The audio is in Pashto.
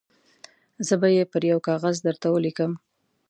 زه به یې پر یوه کاغذ درته ولیکم.